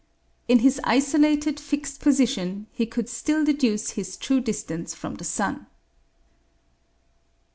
In his isolated, fixed position he could still deduce his true distance from the sun!